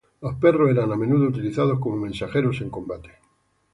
Los perros eran a menudo utilizados como mensajeros en combate.